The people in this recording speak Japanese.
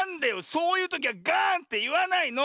⁉そういうときはガーンっていわないの！